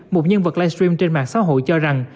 một nhân vật live stream trên mạng xã hội cho rằng